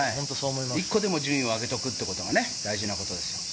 一個でも順位を上げとくっていうのが大事なことです。